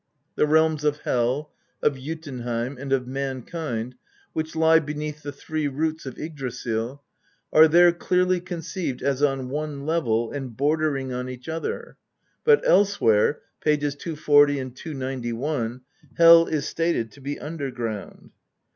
'The realms of Hel, of Jotunheim, and of mankind, which lie beneath the three roots of Yggdrasil, are there clearly con ceived as on one level and bordering on each other, but elsewhere (pp. 240, 291) Hel is stated to be underground.